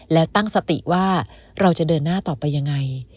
แล้วตั้งสติว่าเราจะเดินหน้าต่อไปยังไง